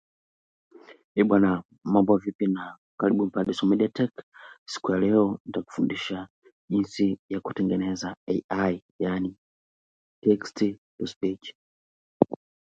The ship was deemed obsolete after the war and was reduced to reserve.